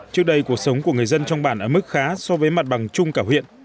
trước đây cuộc sống của người dân trong bản ở mức khá so với mặt bằng chung cả huyện